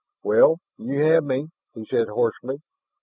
"Well, you have me," he said hoarsely.